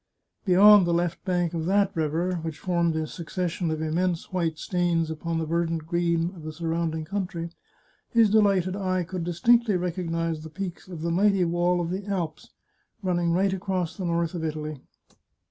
Beyond the left bank of that river, which formed a succession of immense white stains upon the verdant green of the surrounding country, his delighted eye could distinctly recognise the peaks of the mighty wall of the Alps, running right across the north of Italy.